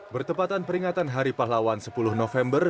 bertepatan peringatan hari pahlawan sepuluh november